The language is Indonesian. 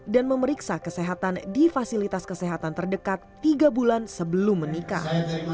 dan memeriksa kesehatan di fasilitas kesehatan terdekat tiga bulan sebelum menikah